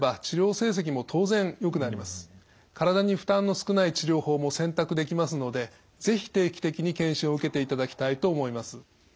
体に負担の少ない治療法も選択できますので是非定期的に検診を受けていただきたいと思います。